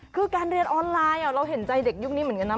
คือการเรียนออนไลน์เราเห็นใจเด็กยุคนี้เหมือนกันนะ